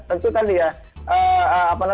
tentu tadi ya